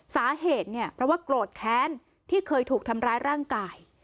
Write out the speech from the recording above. สาเหตุเนี่ยเพราะว่าโกรธแค้นที่เคยถูกทำร้ายร่างกาย